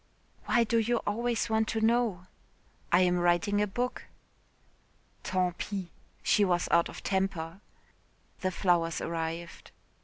"Why do you always want to know?" "I am writing a book." "Tant pis." She was out of temper. The flowers arrived.